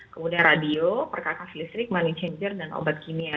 kemudian radio perkakas listrik money changer dan obat kimia